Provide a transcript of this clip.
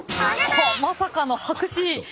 まさかの白紙。